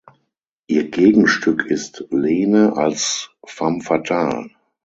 Ihr Gegenstück ist Lene als femme fatale.